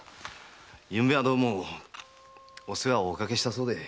昨夜はどうもお世話をおかけしたそうで。